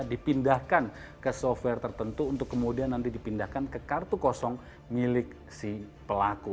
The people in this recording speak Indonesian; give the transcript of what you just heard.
dipindahkan ke software tertentu untuk kemudian nanti dipindahkan ke kartu kosong milik si pelaku